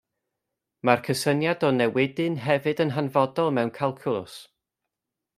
Mae'r cysyniad o newidyn hefyd yn hanfodol mewn calcwlws.